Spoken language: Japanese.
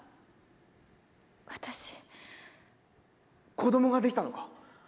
子供ができたのか？